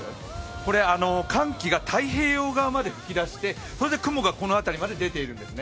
これ、寒気が太平洋側まで吹き出してそれで雲がこの辺りまで出ているんですね。